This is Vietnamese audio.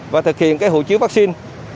và thực hiện cái hộ chiếu vaccine